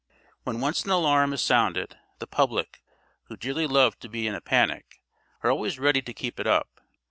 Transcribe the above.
When once an alarm is sounded, the public, who dearly love to be in a panic, are always ready to keep it up.